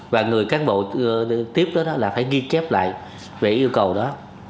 và người cán bộ tiếp đó là phải ghi chép lại về yêu cầu đó